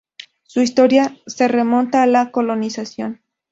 Su historia se remonta a la colonización.